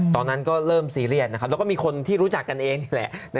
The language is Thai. ตอนนั้นก็เริ่มซีเรียสนะครับแล้วก็มีคนที่รู้จักกันเองนี่แหละ